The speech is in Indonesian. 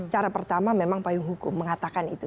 cara pertama memang payung hukum mengatakan itu